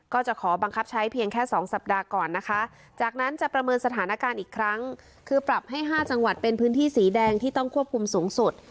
ก็จะขอบังคับใช้เพียงแค่๒สัปดาห์ก่อนนะคะจากนั้นจะประเมินสถานการณ์อีกครั้งคือปรับให้๕จังหวัดเป็นพื้นที่สีแดงที่ต้องควบคุมสูงสุด